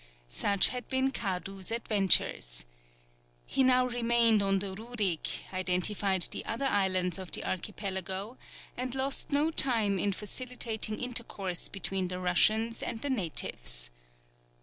Such had been Kadu's adventures. He now remained on the Rurik, identified the other islands of the Archipelago, and lost no time in facilitating intercourse between the Russians and the natives.